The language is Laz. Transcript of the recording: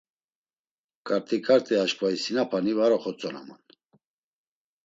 Ǩarti ǩarti aşǩva isinapani var oxotzonaman.